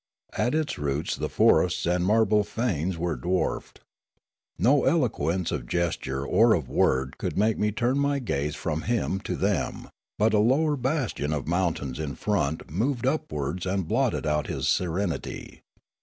At its roots the forests and marble fanes were dwarfed. No eloquence of gesture or of word could make me turn my gaze from him to them ; but a lower bastion of mountains in front moved upwards and blotted out his serenity.